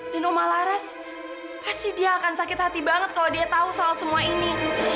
dan umar laras pasti dia akan sakit hati banget kalau dia tahu soal semua ini